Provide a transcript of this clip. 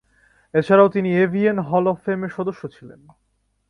এছাড়াও তিনি AVN hall of ফেমের সদস্য ছিলেন।